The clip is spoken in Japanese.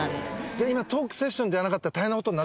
じゃあ今トークセッションじゃなかったら大変な事に。